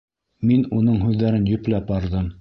Мин уның һүҙҙәрен йөпләп барҙым.